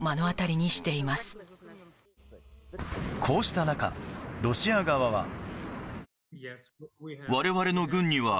こうした中、ロシア側は。